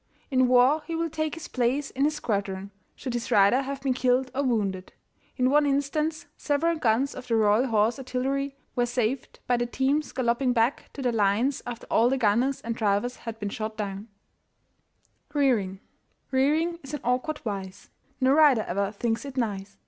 In war he will take his place in his squadron should his rider have been killed or wounded. In one instance, several guns of the Royal Horse Artillery were saved by the teams galloping back to their lines after all the gunners and drivers had been shot down. REARING. Rearing is an awkward vice, No rider ever thinks it nice.